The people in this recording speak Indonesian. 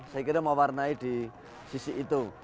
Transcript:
saya kira mewarnai di sisi itu